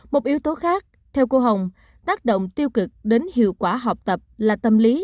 một yếu tố khác theo cô hồng tác động tiêu cực đến hiệu quả học tập là tâm lý